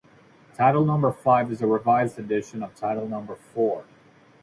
Title number five is a revised edition of title number four.